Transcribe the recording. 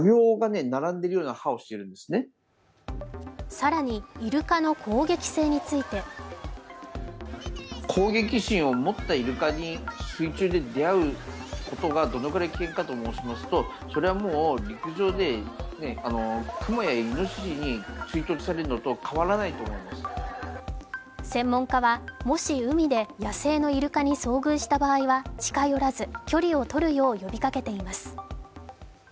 更にイルカの攻撃性について専門家は、もし海で野生のイルカに遭遇した場合は近寄らず、距離をとるよう呼びかけています。